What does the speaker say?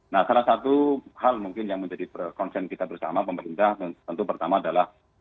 nah salah satu hal mungkin yang menjadi concern kita bersama pemerintah tentu pertama adalah